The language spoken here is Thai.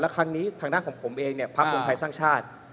ครั้งนี้ทางด้านของผมเองเนี่ยพักรวมไทยสร้างชาติ